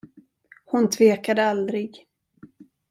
Hon tvekade aldrig.